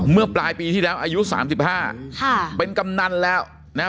เมื่อปลายปีที่แล้วอายุสามสิบห้าค่ะเป็นกำนันแล้วนะฮะ